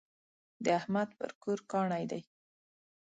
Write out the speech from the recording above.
د احمد پر کور کاڼی دی.